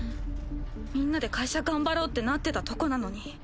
みんなで会社頑張ろうってなってたとこなのに。